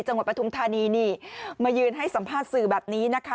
ปฐุมธานีนี่มายืนให้สัมภาษณ์สื่อแบบนี้นะคะ